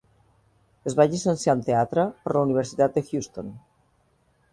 Es va llicenciar en teatre per la Universitat de Houston.